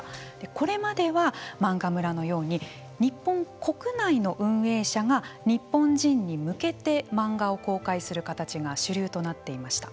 これまでは漫画村のように日本国内の運営者が日本人に向けて漫画を公開する形が主流となっていました。